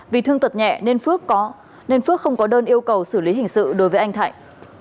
vì thương tật nhẹ nên phước không có đơn yêu cầu xử lý hình sự đối với anh thạnh